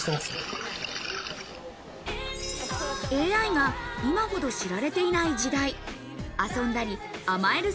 ＡＩが今ほど知られていない時代、遊んだり、甘える